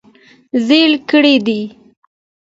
زېلې کړي دي -